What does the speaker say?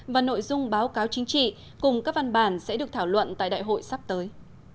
và nội dung báo cáo chính trị cùng các văn bản sẽ được thảo luận tại đại hội sắp tới